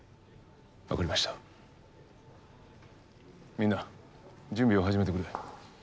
みんな準備を始めてくれ。